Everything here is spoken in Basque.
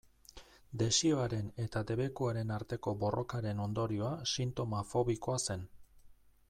Desioaren eta debekuaren arteko borrokaren ondorioa sintoma fobikoa zen.